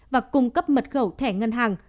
và cung cấp mật khẩu thẻ ngân hàng